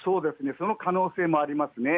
その可能性もありますね。